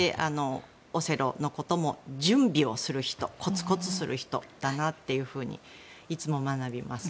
オセロのことも準備をする人コツコツする人だなっていうふうにいつも学びます。